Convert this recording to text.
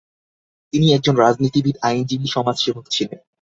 তিনি একজন রাজনীতিবিদ, আইনজীবী, সমাজসেবক ছিলেন।